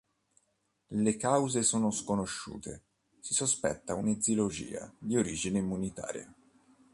Le cause sono sconosciute, si sospetta un'eziologia di origine immunitaria.